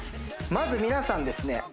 まず皆さんですね